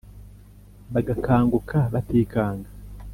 Bagakanguka batikanga